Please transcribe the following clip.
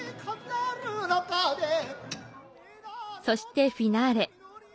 そしてフィナーレ。